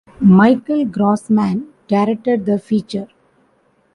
Michael Grossman directed the feature.